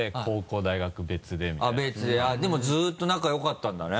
でもずっと仲よかったんだね？